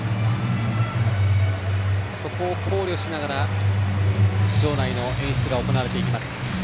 そこを考慮しながら場内の演出が行われます。